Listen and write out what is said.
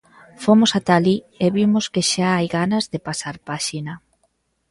Fomos ata alí, e vimos que xa hai ganas de pasar páxina.